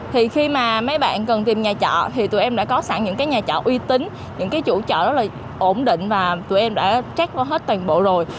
thì khi mà mấy bạn cần tìm nhà trọ thì tụi em đã có sẵn những cái nhà trọ uy tín những cái chủ chợ rất là ổn định và tụi em đã trác qua hết toàn bộ rồi